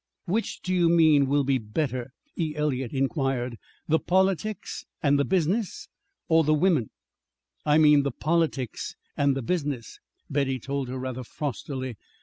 "Which do you mean will be better?" E. Eliot inquired. "The politics and the business, or the women?" "I mean the politics and the business," Betty told her rather frostily.